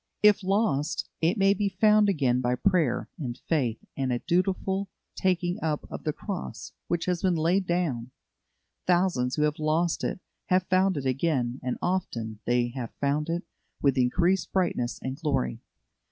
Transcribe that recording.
If lost, it may be found again by prayer and faith and a dutiful taking up of the cross which has been laid down. Thousands who have lost it have found it again, and often they have found it with increased brightness and glory.